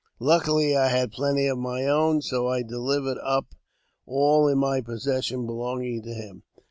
Luckily, I had plenty of my own, so I delivered up all in my possession belonging to him.